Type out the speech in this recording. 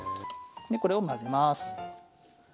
でこれを混ぜます。